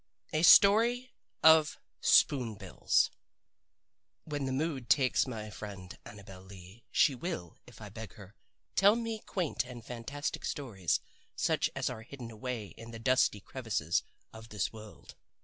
XV A STORY OF SPOON BILLS When the mood takes my friend Annabel Lee she will, if I beg her, tell me quaint and fantastic stories, such as are hidden away in the dusty crevices of this world.